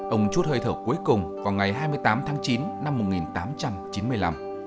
ông chút hơi thở cuối cùng vào ngày hai mươi tám tháng chín năm một nghìn tám trăm chín mươi năm